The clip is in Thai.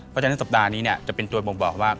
เพราะฉะนั้นสัปดาห์นี้จะเป็นตัวบ่งบอกว่า